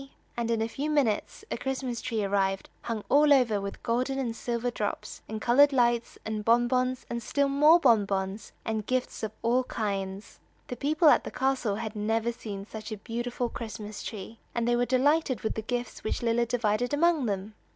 And in a few minutes a Christmas tree arrived hung all over with gold and silver drops, and colored lights, and bonbons, and still more bonbons, and gifts of all kinds. The people at the castle had never seen such a beautiful Christmas tree, and they were delighted with the gifts which Lilla divided among them.